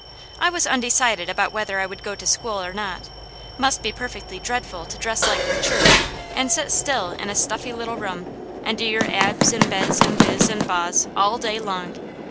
I was undecided about whether I would go to school, or not. Must be perfectly dreadful to dress like for church, and sit still in a stuffy little room, and do your "abs," and "bes," and "bis," and "bos," all day long.